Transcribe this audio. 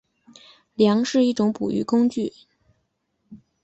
梁是一种捕鱼的工具。